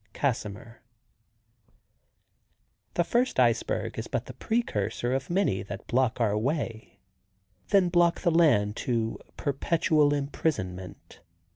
—Casimir. The first iceberg is but the precursor of many that block our way. Then block the land to perpetual imprisonment.